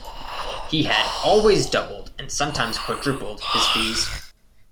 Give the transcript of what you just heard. He had always doubled, and sometimes quadrupled, his fees.